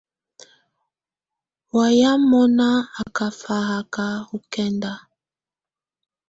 Wayɛ̀á mɔ́ná á ká faháka ɔ kɛnda.